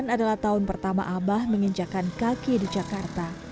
seribu sembilan ratus sembilan puluh delapan adalah tahun pertama abah menginjakan kaki di jakarta